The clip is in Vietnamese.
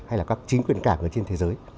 hay là các chính quyền cảng ở trên thế giới